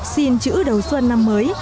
xin chữ đầu xuân năm mới